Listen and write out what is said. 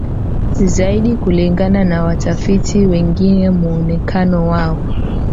zaidi Kulingana na watafiti wengine muonekano wao